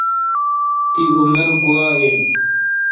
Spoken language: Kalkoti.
تی عمر گوا این۔